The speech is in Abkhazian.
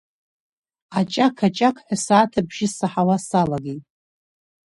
Аҷақ-аҷақ ҳәа асааҭ абжьы саҳауа салагеит.